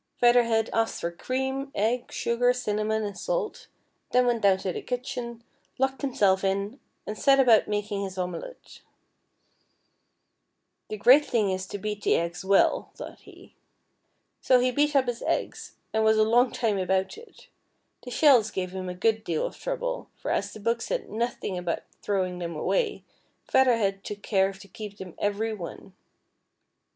Feather Head asked for cream, eggs, sugar, cinnamon, and salt, then went down to the kitchen, locked himself in, and set about making his omelet. " The great thing is to beat the eggs well," thought he. So he beat up his eggs, and was a long time about it. The shells gave him a good deal of trouble, for as the book said nothing about throwing them away. Feather Head took care to keep them every one.